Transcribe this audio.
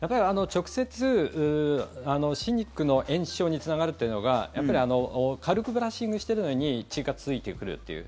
直接歯肉の炎症につながるというのが軽くブラッシングしているのに血がついてくるという。